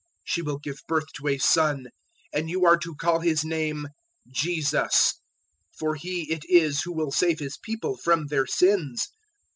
001:021 She will give birth to a Son, and you are to call His name JESUS for He it is who will save His People from their sins."